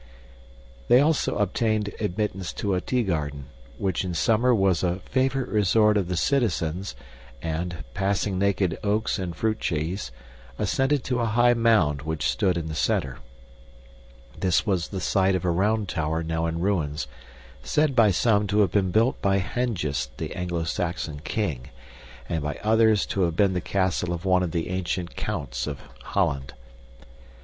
They also obtained admittance to a tea garden, which in summer was a favorite resort of the citizens and, passing naked oaks and fruit trees, ascended to a high mound which stood in the center. This was the site of a round tower now in ruins, said by some to have been built by Hengist the Anglo Saxon king, and by others to have been the castle of one of the ancient counts of Holland.